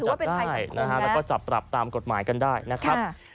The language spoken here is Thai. จับได้นะฮะแล้วก็จับปรับตามกฎหมายกันได้นะครับ